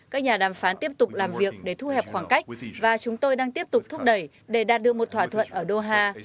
các nhà đàm phán tiếp tục làm việc để thu hẹp khoảng cách và chúng tôi đang tiếp tục thúc đẩy để đạt được một thỏa thuận ở doha